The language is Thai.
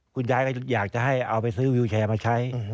คุณยายก็อยากจะให้เอาไปซื้อวิวแชร์มาใช้